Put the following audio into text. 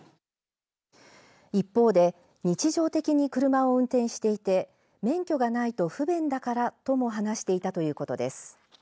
一方で日常的に車を運転していて免許がないと不便だからとも話していたということです。